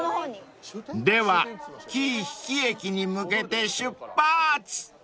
［では紀伊日置駅に向けて出発！］